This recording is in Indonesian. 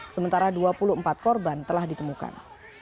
sementara dua puluh empat korban telah ditemukan